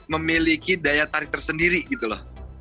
memiliki daya tarik tersendiri gitu loh